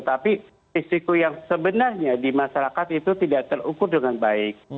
tapi risiko yang sebenarnya di masyarakat itu tidak terukur dengan baik